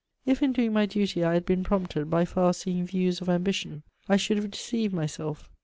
If, in doing my duty, I had been prompted by far seeing views of ambition, I should have deceived myself.